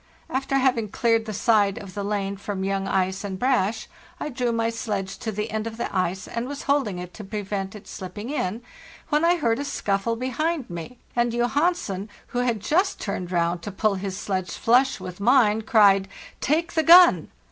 After having cleared the side of the lane from young ice and brash, | drew my sledge to the end of the ice, and was holding it to prevent it slipping in, when I heard a scuffle behind me, and Johansen, who had just turned round to pull his sledge flush with mine,* cried,' Take the gun!